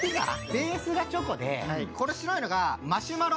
ベースがチョコで白いのがマシュマロ。